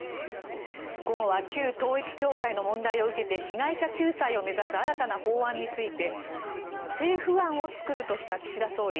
午後は旧統一教会の問題を受けて被害者救済を目指す新たな法案について政府案を作るとした岸田総理。